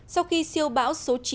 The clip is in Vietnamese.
sau khi siêu bão số chín